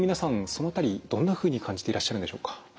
その辺りどんなふうに感じていらっしゃるんでしょうか？